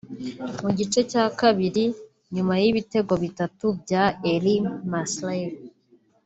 Mu gice cya kabiri na nyuma y’ibitego bitatu bya El Masry